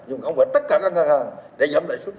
nhưng không phải tất cả các ngân hàng để giảm lãi chốt